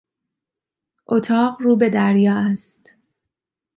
اتاق رو به دریا است.